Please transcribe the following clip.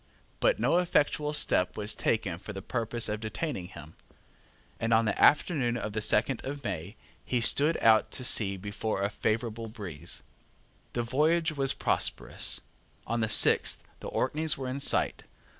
But no effectual step was taken for the purpose of detaining him; and on the afternoon of the second of May he stood out to sea before a favourable breeze. The voyage was prosperous. On the sixth the Orkneys were in sight.